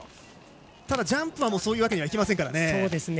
ただジャンプはそういうわけにはいきませんから。